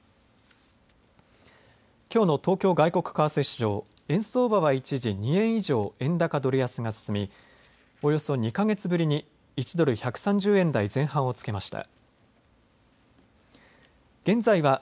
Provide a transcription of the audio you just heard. きょうの東京外国為替市場、円相場は一時、２円以上、円高ドル安が進み、およそ２か月ぶりに１ドル１３０円台前半をつけました。